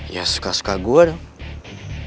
ya suka suka gue